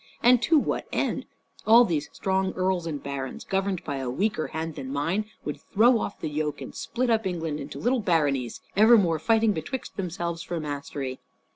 And to what end? All these strong earls and barons, governed by a weaker hand than mine, would throw off the yolk and split up England into little baronies, evermore fighting betwixt themselves for mastery.